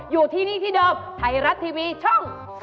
อยู่ที่นี่ที่เดิมไทยรัฐทีวีช่อง๓๒